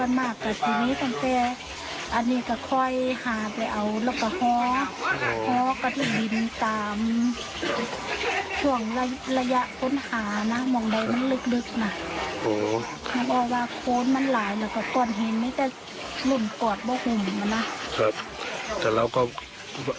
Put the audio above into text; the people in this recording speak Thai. มันก็ว่าโค้นมันหลายแล้วก็ก่อนเห็นมันก็ลุ่นกวาดเบาหุ่มมาน่ะ